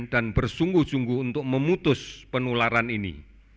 dan bersungguh sungguh untuk memutus penularan ini